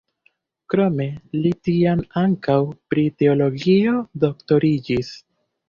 Krome li tiam ankaŭ pri teologio doktoriĝis.